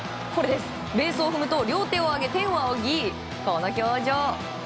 ベースを踏むと両手を上げ天を仰ぎ、この表情。